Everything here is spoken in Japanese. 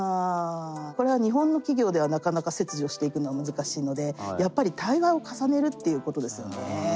これは日本の企業ではなかなか切除していくのは難しいのでやっぱり対話を重ねるっていうことですよね。